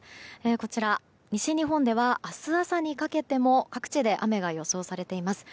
こちら、西日本では明日朝にかけても各地で雨が予想されています。